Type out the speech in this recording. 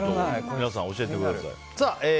皆さん、教えてください。